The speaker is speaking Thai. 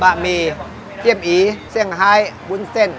บะหมี่เที่ยมอีเส้นหายวุ้นเส้น